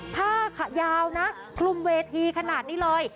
ผ้ายาวนะคลุมเวทีขนาดนี้เลย